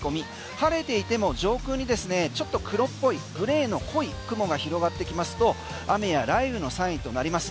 晴れていても上空にですねちょっと黒っぽいグレーの濃い雲が広がってきますと雨や雷雨のサインとなります。